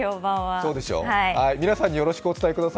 そうでしょう皆さんによろしくお伝えください。